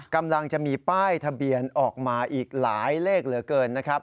กำลังจะมีป้ายทะเบียนออกมาอีกหลายเลขเหลือเกินนะครับ